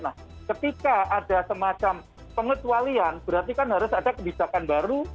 nah ketika ada semacam pengecualian berarti kan harus ada kebijakan baru